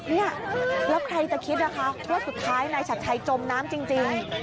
เนี่ยแล้วใครจะคิดนะคะว่าสุดท้ายนายชัดชัยจมน้ำจริง